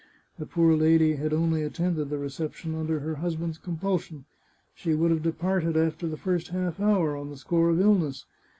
The poor lady had only attended the reception under her husband's compulsion. She would have departed, after the first half hour, on the score of illness.